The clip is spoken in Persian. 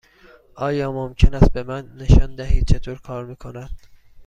آیا ممکن است به من نشان دهید چطور کار می کند؟